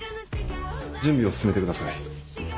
準備を進めてください。